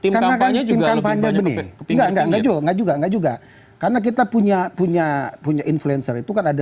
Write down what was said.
karena kan juga enggak juga enggak juga karena kita punya punya punya influencer itu kan ada